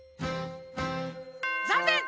ざんねん！